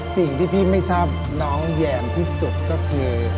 สิ่งที่พี่ไม่ทราบน้องแยมที่สุดก็คือ